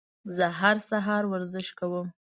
زه هر سهار ورزش کوم.